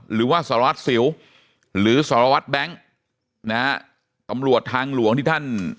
หรือว่าสรัสสิวหรือสรวจแบ็งก์นะฮะอำลวดทางหลวงที่ท่าน